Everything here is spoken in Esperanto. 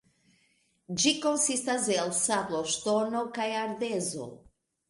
Ĝi konsistas el sabloŝtono kaj ardezo.